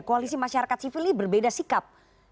koalisi masyarakat sipil ini berbeda sikap